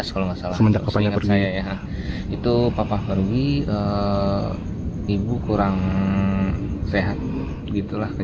kalau dibilang odbg lah ya